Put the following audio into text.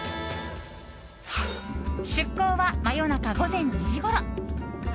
出港は真夜中、午前２時ごろ。